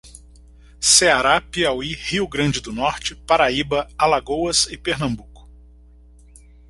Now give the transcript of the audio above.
Ceará, Piauí, Rio grande do Norte, Paraíba, Alagoas e Pernambuco